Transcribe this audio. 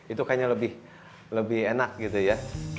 itu kayaknya lebih enak gitu ya